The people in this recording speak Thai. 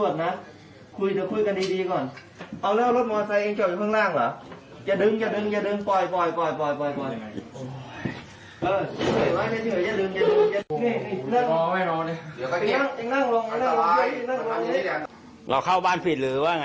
บ้านเพื่อนผิดอะเพื่อนบอกให้เข้าบ้านนี้